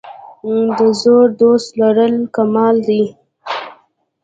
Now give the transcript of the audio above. د زوړ دوست لرل کمال دی.